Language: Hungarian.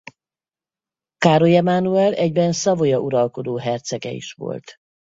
Károly Emánuel egyben Savoya uralkodó hercege is volt.